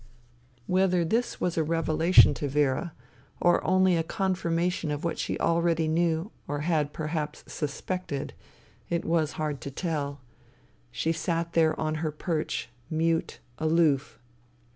Whether this was a revelation to Vera, or only a confirmation of what she already knew or had perhaps suspected, it was hard to tell. She sat there on her perch, mute, aloof.